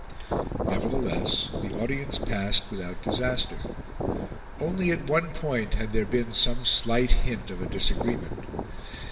Nevertheless, the audience passed without disaster. Only at one point had there been some slight hint of a disagreement.